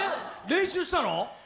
練習したの？